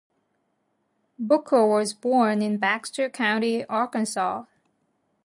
Booker was born in Baxter County, Arkansas.